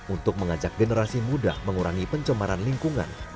untuk mengajak generasi muda mengurangi pencemaran lingkungan